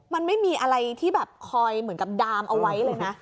มันไม่มีอะไรที่แบบคอยเหมือนกับดามเอาไว้เลยนะ